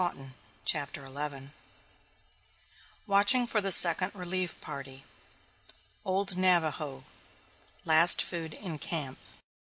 ] CHAPTER XI WATCHING FOR THE SECOND RELIEF PARTY "OLD NAVAJO" LAST FOOD IN CAMP.